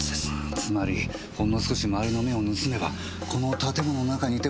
つまりほんの少し周りの目を盗めばこの建物の中にいても犯行は可能だった。